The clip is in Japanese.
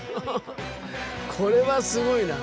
これはすごいな。